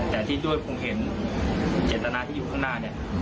แต่ที่ด้วยผมเห็นเจตนาที่อยู่ข้างหน้าเนี่ย